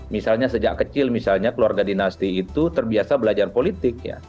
misalnya sejak kecil keluarga dinasti itu terbiasa belajar politik